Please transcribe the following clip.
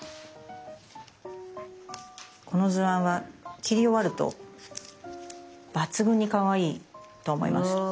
この図案は切り終わると抜群にかわいいと思います。